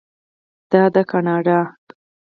دا دی کاناډا.